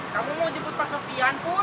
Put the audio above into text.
kamu mau jeput pak sopian kur